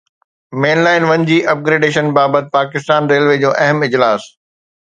مين line one جي upgradation بابت Pakistan railway جو اهم اجلاس